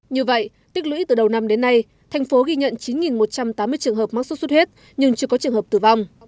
như vậy tích lũy từ đầu năm đến nay thành phố ghi nhận chín một trăm tám mươi trường hợp mắc sốt xuất huyết nhưng chưa có trường hợp tử vong